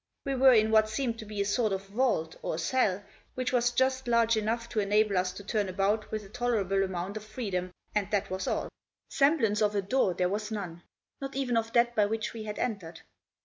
We were in what seemed to be a sort of vault, or cell, which was just large enough to enable us to turn about with a tolerable amount of freedom, and that was all. Semblance of a door there was none, not even of that by which we had entered.